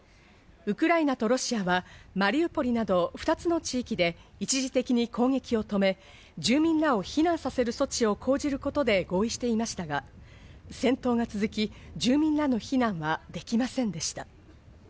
ウクライナとロシアはマリウポリなど２つの地域で一時的に攻撃を止め、住民らを避難させる措置を講じることで合意していましたが、戦闘が続き、住民らの避難はできませんでした。